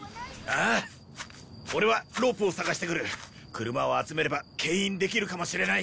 車を集めれば牽引できるかもしれない。